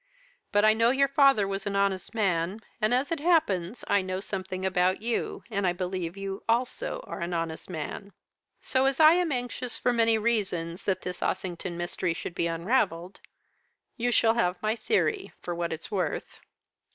But I know your father was an honest man, and as it happens, I know something about you, and I believe you also are an honest man. So as I am anxious, for many reasons, that this Ossington mystery should be unravelled, you shall have my theory for what it's worth.'